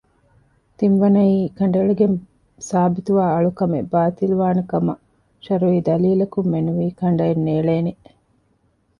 ތިންވަނައީ ކަނޑައެޅިގެން ސާބިތުވާ އަޅުކަމެއް ބާޠިލުވާނެކަމަށް ޝަރުޢީ ދަލީލަކުންމެނުވީ ކަނޑައެއްނޭޅޭނެ